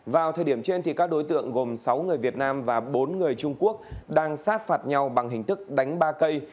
vào thời điểm trên các đối tượng gồm sáu người việt nam và bốn người trung quốc đang sát phạt nhau bằng hình thức đánh ba cây